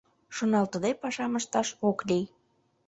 Шоналтыде пашам ышташ ок лий.